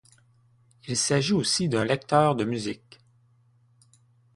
Il s'agit aussi d'un lecteur de musique.